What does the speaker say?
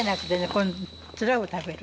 このツラを食べる。